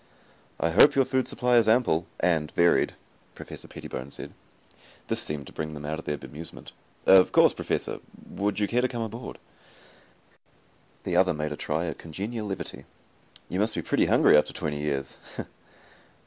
"I hope your food supply is ample and varied," Professor Pettibone said. This seemed to bring them out of their bemusement. "Of course, Professor. Would you care to come aboard?" The other made a try at congenial levity. "You must be pretty hungry after twenty years."